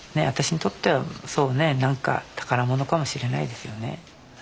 私にとってはそうね何か宝物かもしれないですよね。